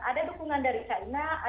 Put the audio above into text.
ada dukungan dari china ada dari rusia